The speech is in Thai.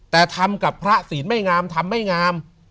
แต่ทำกับพระศีลไม่งามทำไม่งาม